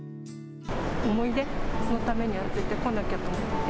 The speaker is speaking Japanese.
思い出のためには、絶対来なきゃと思って。